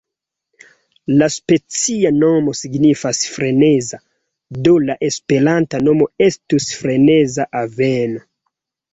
La specia nomo signifas freneza, do la esperanta nomo estus freneza aveno.